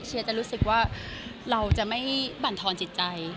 เชียร์จะรู้สึกว่าเราจะไม่บรรทอนจิตใจ